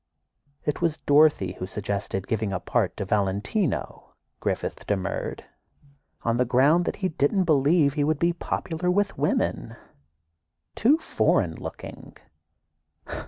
It was Dorothy who suggested giving a part to Valentino. Griffith demurred, on the ground that he didn't believe he would be popular with women—too "foreign looking."